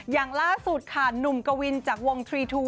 อย่างล่าสุดค่ะหนุ่มกวินจากวงทรีทู